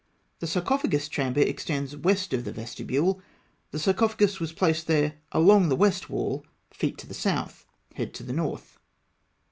The sarcophagus chamber (G) extends west of the vestibule; the sarcophagus was placed there along the west wall, feet to the south, head to the north.